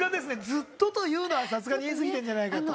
ずっとというのはさすがに言いすぎてるんじゃないかと。